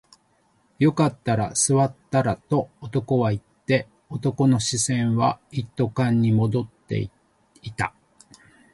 よかったら座ったらと男は言って、男の視線は一斗缶に戻っていた